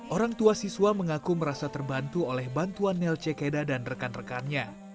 orang tua siswa mengaku merasa terbantu oleh bantuan nelce keda dan rekan rekannya